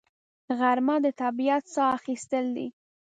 غرمه د طبیعت ساه اخیستل دي